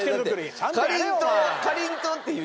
かりんとうっていう。